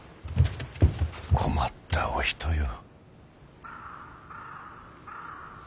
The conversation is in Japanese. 困ったお人よ。